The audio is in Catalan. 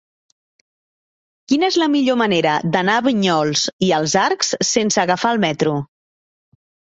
Quina és la millor manera d'anar a Vinyols i els Arcs sense agafar el metro?